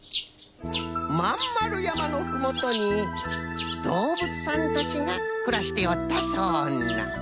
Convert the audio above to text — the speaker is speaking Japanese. まんまるやまのふもとにどうぶつさんたちがくらしておったそうな。